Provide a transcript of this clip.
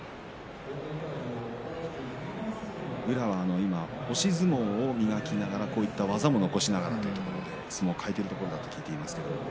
宇良は今押し相撲を磨きながらこういった技も残しながら相撲を変えているところだと聞いています。